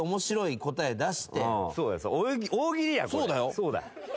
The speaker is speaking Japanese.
そうだ。